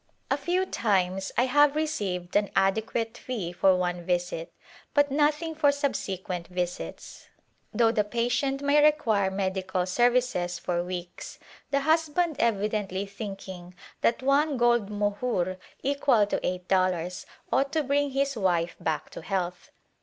A few times I have received an adequate A Glimpse of India fee for one visit but nothing for subsequent visits, though the patient may require medical services for weeks, the husband evidently thinking that one gold mohur^ equal to eight dollars, ought to bring his wife back to health.